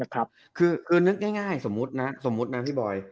คือนึกง่ายสมมุตินะพี่บอย